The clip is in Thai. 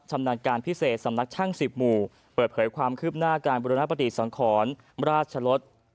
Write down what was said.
สำนักการพิเศษสำนักช่างสิบหมู่เปิดเผยความคืบหน้าการบริณะปฏิสังขรรมราชรส